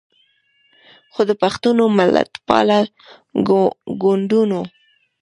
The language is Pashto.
خو د پښتنو ملتپاله ګوندونو